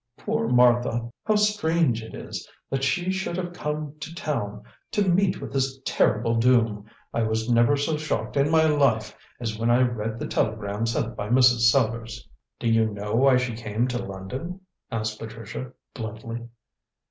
"Poor Martha, how strange it is that she should have come to town to meet with this terrible doom! I was never so shocked in my life as when I read the telegram sent by Mrs. Sellars." "Do you know why she came to London?" asked Patricia bluntly.